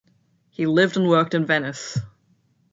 He lived and worked in Venice.